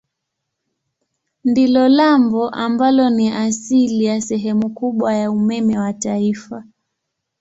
Ndilo lambo ambalo ni asili ya sehemu kubwa ya umeme wa taifa.